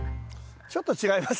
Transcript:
ちょっと違います。